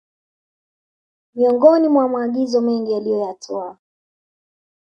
miongoni mwa maagizo mengi aliyoyatoa